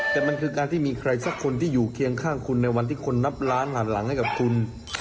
แต่มันคือการที่มีใครสักคนที่อยู่เคียงข้างคุณในวันที่คนนับล้านหันหลังให้กับคุณ